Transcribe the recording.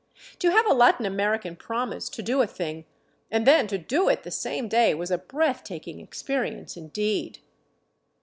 To have a Latin American promise to do a thing and then to do it the same day was a breath taking experience, indeed.